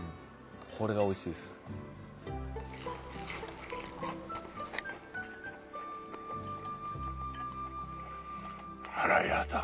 これがおいしいっすあらやだ